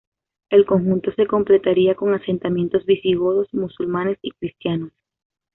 El conjunto se completaría con asentamientos visigodos, musulmanes y cristianos.